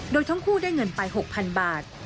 โดยทั้งคู่ได้เงินไป๖๐๐๐บาท